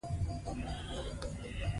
دښمن ماته نه خوړه.